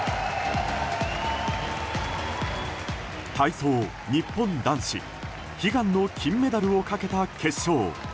体操日本男子悲願の金メダルをかけた決勝。